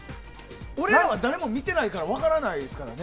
俺らは誰も見てないから分からないですからね。